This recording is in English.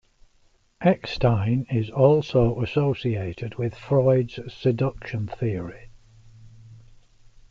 Eckstein is also associated with Freud's seduction theory.